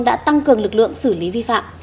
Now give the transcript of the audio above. đã tăng cường lực lượng xử lý vi phạm